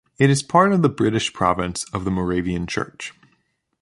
It is part of the British Province of the Moravian Church.